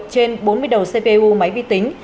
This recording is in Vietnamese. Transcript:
trên bốn mươi đầu cpu máy vi tính